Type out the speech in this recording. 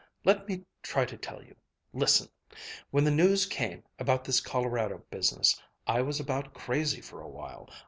Let me try to tell you. Listen! When the news came, about this Colorado business I was about crazy for a while.